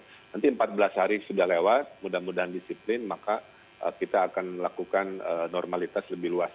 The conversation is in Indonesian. nanti empat belas hari sudah lewat mudah mudahan disiplin maka kita akan melakukan normalitas lebih luas